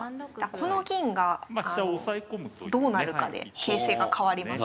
この銀がどうなるかで形勢が変わります。